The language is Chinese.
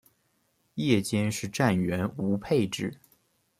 夜间是站员无配置。